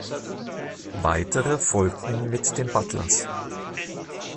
Weitere folgten mit den Butlers.